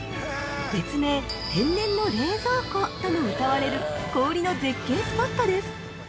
別名、天然の冷蔵庫ともうたわれる氷の絶景スポットです。